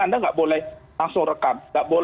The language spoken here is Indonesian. anda nggak boleh langsung rekam